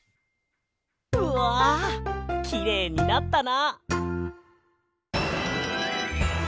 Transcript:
うわきれいになったな！